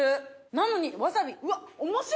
なのにわさびうわっおもしろ！